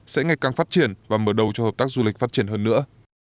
sẽ ngày càng phát triển và mở đầu cho hợp tác du lịch phát triển hơn nữa